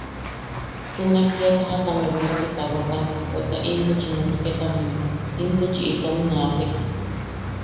Junak kia sajakame benasi tawakan, bweta intuchi nottekame, intuchi itom naatek.